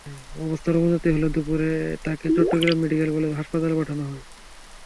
অবস্থার অবনতি হলে দুপুরে তাঁকে চট্টগ্রাম মেডিকেল কলেজ হাসপাতালে পাঠানো হয়।